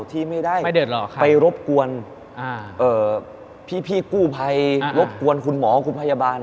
ที่ไม่ได้ไปรบกวนพี่กู้ภัยรบกวนคุณหมอคุณพยาบาล